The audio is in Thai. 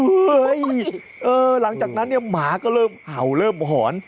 หลังจากนั้นเนี่ยหมาก็เริ่มเห่าเริ่มหอน